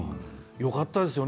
よかったですね。